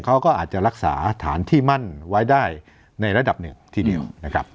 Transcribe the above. เขาก็อาจจะรักษาฐานที่มั่นไว้ได้ในระดับหนึ่งทีเดียวนะครับ